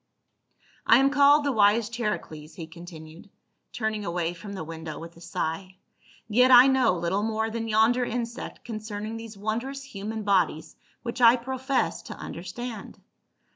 "I am called the wise Charicles," he continued, turning away from the window with a sigh, "yet I know little more than yonder insect concerning these wondrous human bodies which I profess to understand.